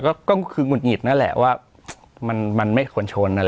ก็คือหงุดหงิดนั่นแหละว่ามันไม่ควรชนอะไร